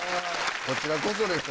こちらこそです